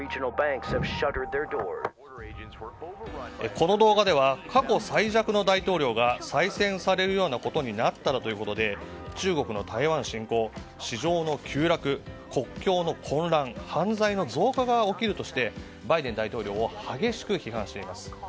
この動画では過去最弱の大統領が再選されるようなことになったらということで中国の台湾侵攻、市場の急落国境の混乱、犯罪の増加が起きるとして、バイデン大統領を激しく批判しています。